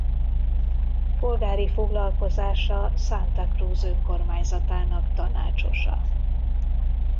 Polgári foglalkozása Santa Cruz önkormányzatának tanácsosa.